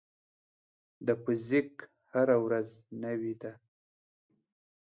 د فزیک هره ورځ نوې ده.